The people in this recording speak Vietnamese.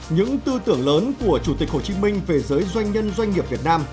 những tư tưởng lớn của chủ tịch hồ chí minh về giới doanh nhân doanh nghiệp việt nam